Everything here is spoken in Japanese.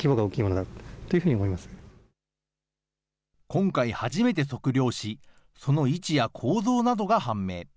今回、初めて測量し、その位置や構造などが判明。